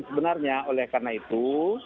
sebenarnya oleh karena itu